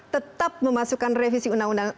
tetap memasukkan revisi undang undang